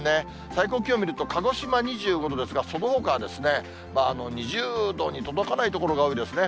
最高気温見ると、鹿児島２５度ですが、そのほかは２０度に届かない所が多いですね。